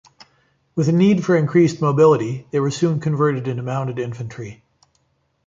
With a need for increased mobility, they were soon converted into mounted infantry.